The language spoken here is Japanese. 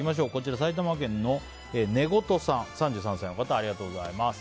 埼玉県の３３歳の方ありがとうございます。